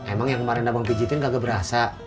emang yang kemarin abang pijitin kagak berasa